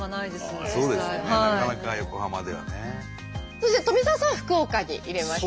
そして富澤さんは福岡に入れました。